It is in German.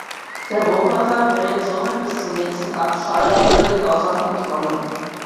Der Roboter gerät somit bis zum nächsten Abschalten völlig außer Kontrolle.